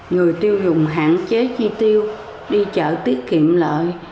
người tiêu dùng hạn chế chi tiêu đi chợ tiết kiệm lợi